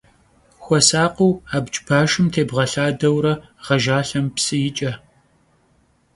Xuesakhıu abc başşım têğelhadeure ğejjalhem psı yiç'e.